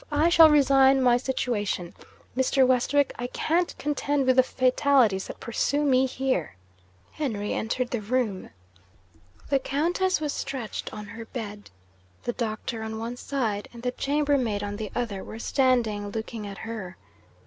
I shall resign my situation, Mr. Westwick: I can't contend with the fatalities that pursue me here!' Henry entered the room. The Countess was stretched on her bed. The doctor on one side, and the chambermaid on the other, were standing looking at her.